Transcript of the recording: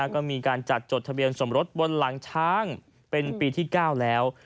ก็มีการจัดจดทะเบียนสมรสบนหลังช้างเป็นปีที่๙แล้ว